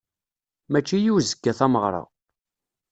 Mačči i uzekka tameɣṛa.